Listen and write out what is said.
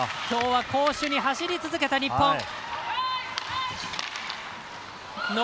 きょうは攻守に走り続けた日本。